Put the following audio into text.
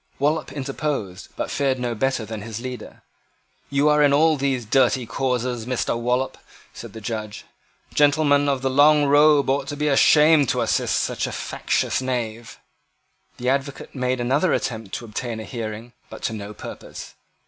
Wallop interposed, but fared no better than his leader. "You are in all these dirty causes, Mr. Wallop," said the Judge. "Gentlemen of the long robe ought to be ashamed to assist such factious knaves." The advocate made another attempt to obtain a hearing, but to no purpose.